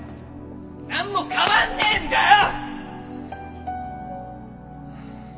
なんも変わんねえんだよ！